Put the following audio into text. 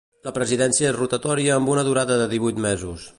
La presidència és rotatòria amb una durada de divuit mesos.